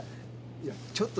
いや「ちょっと」？